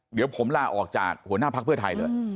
เดี๋ยวผมลาออกจากหัวหน้าพักเพื่อไทยเลย